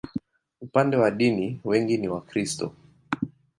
Upande wa dini, wengi ni Wakristo.